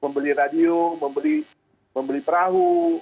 membeli radio membeli perahu